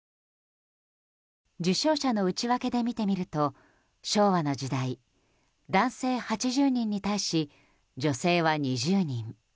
受賞者の内訳で見てみると昭和の時代男性８０人に対し女性は２０人。